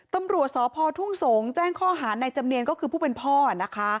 ตำรวจสพทุ่งสงศ์แจ้งข้อหาในจำเนียนก็คือผู้เป็นพ่อนะคะ